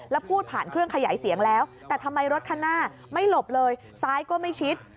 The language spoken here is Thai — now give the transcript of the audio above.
แล้วพูดผ่านเครื่องขยายเสียงแล้วแต่ทำไมรถคันหน้าไม่หลบเลยซ้ายก็ไม่ชิด